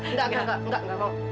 enggak enggak enggak